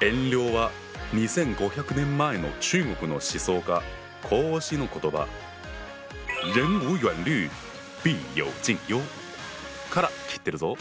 遠慮は２，５００年前の中国の思想家孔子の言葉からきてるぞ。